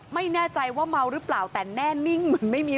ไม่แน่ใจว่าเมาหรือเปล่าแต่แน่นิ่งเหมือนไม่มี